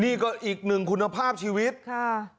นี่ก็อีกหนึ่งคุณภาพชีวิตค่ะ